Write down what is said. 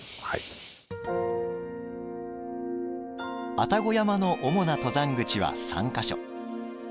愛宕山の主な登山口は３か所。